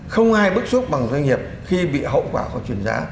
không ai bức xúc bằng doanh nghiệp khi bị hậu quả họ chuyển giá